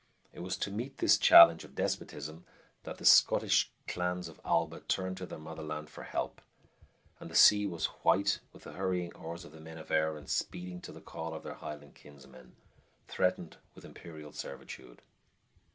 It was to meet this challenge of despotism that the Scotic clans of Alba turned to their motherland for help, and the sea was "white with the hurrying oars" of the men of Erin speeding to the call of their Highland kinsmen, threatened with imperial servitude.